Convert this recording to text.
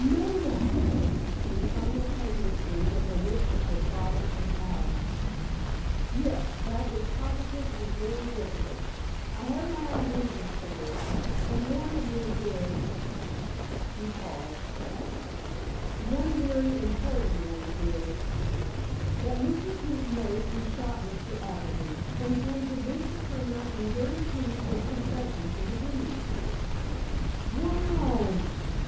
"Maida!" came simultaneously from the lips of her father and Allen. "Yes, that is positive and irrevocable. I have my own reasons for this, and one of them is"—she paused—"one very important one is, that Mr. Keefe knows who shot Mr. Appleby, and can produce the criminal and guarantee his confession to the deed." "Wow!"